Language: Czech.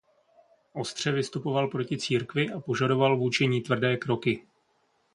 Ostře vystupoval proti církvi a požadoval vůči ní tvrdé kroky.